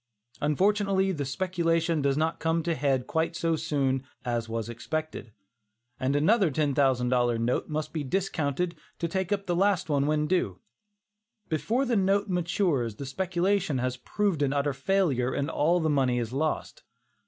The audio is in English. Unfortunately the speculation does not come to a head quite so soon as was expected, and another $10,000 note must be discounted to take up the last one when due. Before this note matures the speculation has proved an utter failure and all the money is lost.